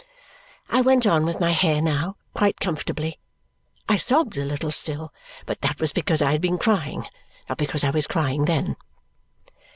I went on with my hair now, quite comfortably. I sobbed a little still, but that was because I had been crying, not because I was crying then.